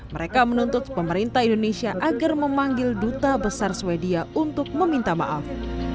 mereka menuntut pemerintah indonesia agar memanggil duta besar swedia untuk meminta maaf